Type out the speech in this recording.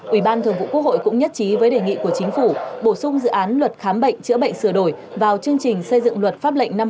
ủy ban thường vụ quốc hội cũng nhất trí với đề nghị của chính phủ bổ sung dự án luật khám bệnh chữa bệnh sửa đổi vào chương trình xây dựng luật pháp lệnh năm hai nghìn hai mươi